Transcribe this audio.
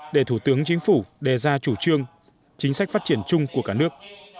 để thủ tướng chính phủ đề ra chủ trương chính sách phát triển chung của cả nước